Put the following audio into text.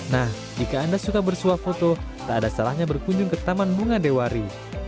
nah jika anda suka bersuap foto tak ada salahnya berkunjung ke taman bunga dewari